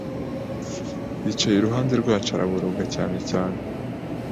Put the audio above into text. Yicaye iruhande rwacu araboroga cyane cyane